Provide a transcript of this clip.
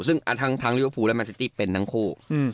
ซึ่งทั้งฟูและแมนท์ซิติเป็นทั้งคู่